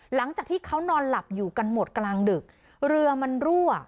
หลังจากที่เขานอนหลับอยู่กันหมดกลางดึกเรือมันรั่ว